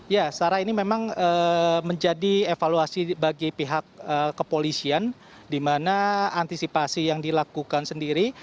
ya sarah ini memang menjadi evaluasi bagi pihak kepolisian di mana antisipasi yang dilakukan sendiri